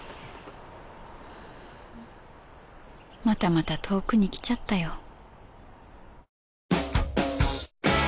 またまた遠くに来ちゃったよ